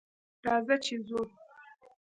راځه چې ځو